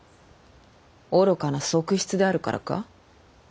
愚かな側室であるからか？